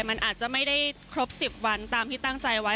มันอาจจะไม่ได้ครบ๑๐วันตามที่ตั้งใจไว้